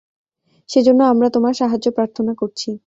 সেজন্য আমরা তোমার সাহায্য প্রার্থনা করছি।